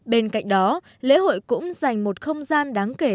bên cạnh đó lễ hội cũng dành một không gian đáng kể